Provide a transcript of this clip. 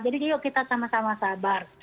jadi yuk kita sama sama sabar